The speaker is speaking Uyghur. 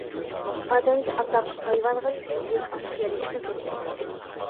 ئادەمگە ئاتاق، ھايۋانغا سېمىزلىك ئانچە يارىشىپمۇ كەتمەيدۇ.